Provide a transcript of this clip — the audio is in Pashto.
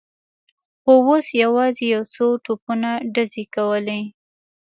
خو اوس یوازې یو څو توپونو ډزې کولې.